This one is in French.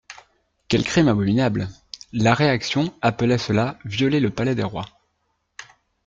Quel crime abominable ! La réaction appelait cela violer le palais des rois.